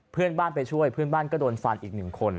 เพื่อนบ้านไปช่วยเพื่อนบ้านก็โดนฟันอีกหนึ่งคน